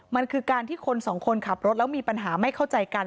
มันคือการที่คนสองคนขับรถแล้วมีปัญหาไม่เข้าใจกัน